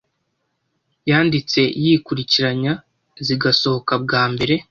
yanditse yikurikiranya zigasohoka bwa mbere